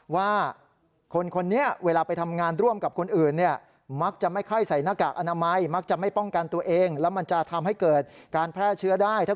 ว่าคนนี้เวลาไปทำงานร่วมกับคนอื่น